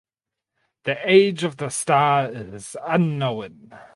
The age of the star is unknown.